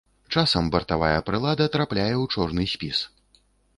Часам бартавая прылада трапляе ў чорны спіс.